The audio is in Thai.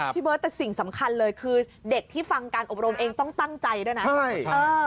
เบิร์ตแต่สิ่งสำคัญเลยคือเด็กที่ฟังการอบรมเองต้องตั้งใจด้วยนะ